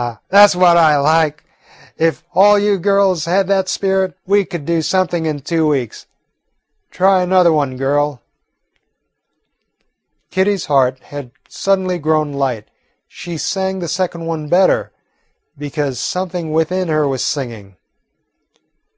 Now, that 's what I like. If all you girls had that spirit, we could do something in two weeks. Try another one, girl." Kitty's heart had suddenly grown light. She sang the second one better because something within her was singing.